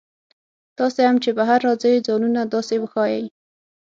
تاسي هم چې بهر راځئ ځانونه داسې وښایئ.